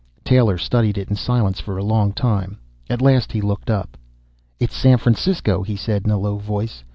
Taylor studied it in silence for a long time. At last he looked up. "It's San Francisco," he said in a low voice.